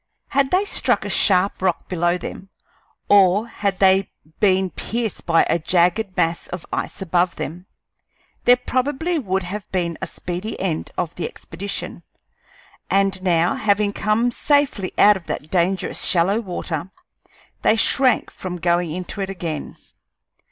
Had they struck a sharp rock below them, or had they been pierced by a jagged mass of ice above them, there probably would have been a speedy end of the expedition; and now, having come safely out of that dangerous shallow water, they shrank from going into it again.